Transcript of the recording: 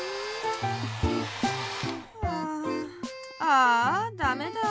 ああダメだ。